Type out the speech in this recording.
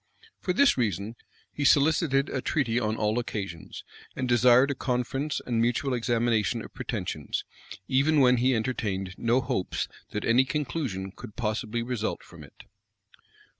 For this reason, he solicited a treaty on all occasions, and desired a conference and mutual examination of pretensions, even when he entertained no hopes that any conclusion could possibly result from it.